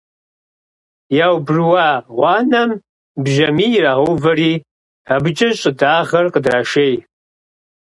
Яубрыуа гъуанэм бжьамий ирагъэувэри абыкӀэ щӀыдагъэр къыдрашей.